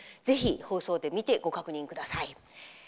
ぜひ、放送で見てご確認ください。